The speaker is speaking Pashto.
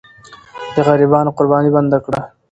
د غریبانو قرباني بنده کړه.